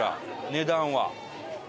値段は。